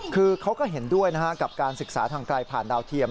คือเขาก็เห็นด้วยกับการศึกษาทางไกลผ่านดาวเทียม